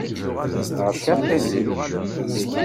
Beṛka aṭṭili!